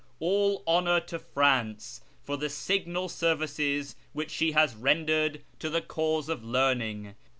All honour to France for the signal services which she has rendered to the cause of learning